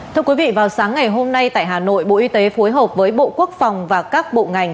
thưa quý vị vào sáng ngày hôm nay tại hà nội bộ y tế phối hợp với bộ quốc phòng và các bộ ngành